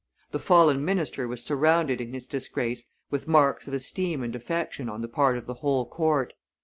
The fallen minister was surrounded in his disgrace with marks of esteem and affection on the part of the whole court.